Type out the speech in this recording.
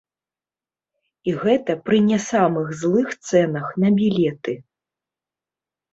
І гэта пры не самых злых цэнах на білеты.